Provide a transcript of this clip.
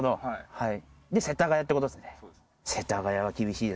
はい！